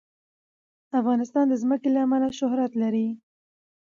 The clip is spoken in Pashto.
افغانستان د ځمکه له امله شهرت لري.